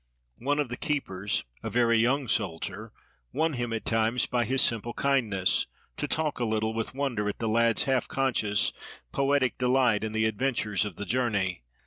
One of the keepers, a very young soldier, won him at times, by his simple kindness, to talk a little, with wonder at the lad's half conscious, poetic delight in the adventures of the journey.